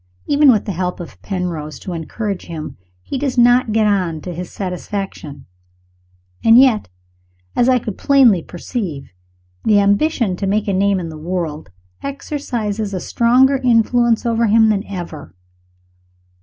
Even with the help of Penrose to encourage him, he does not get on to his satisfaction and yet, as I could plainly perceive, the ambition to make a name in the world exercises a stronger influence over him than ever.